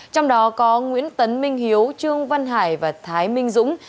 trong đó có nguyễn tấn minh hiếu trương văn hải và thái minh dũng